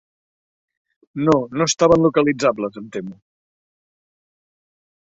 No, no estaven localitzables, em temo.